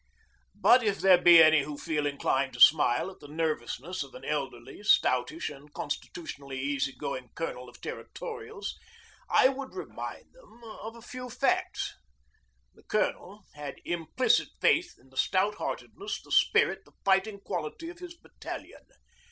But if there be any who feel inclined to smile at the nervousness of an elderly, stoutish, and constitutionally easy going Colonel of Territorials, I would remind them of a few facts. The Colonel had implicit faith in the stout heartedness, the spirit, the fighting quality of his battalion.